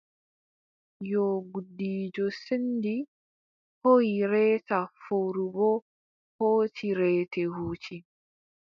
Yoo gudiijo senndi hooyi reeta fowru boo hooci reete huuci.